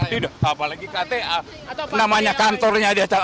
tidak apalagi kta namanya kantornya aja enggak tahu itu urusannya